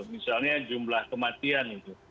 misalnya jumlah kematian itu